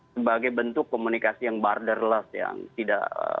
sebagai bentuk komunikasi yang borderless yang tidak